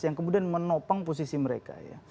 yang kemudian menopang posisi mereka ya